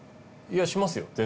いやしますよ